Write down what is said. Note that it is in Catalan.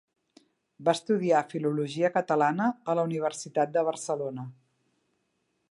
Va estudiar Filologia Catalana a la Universitat de Barcelona.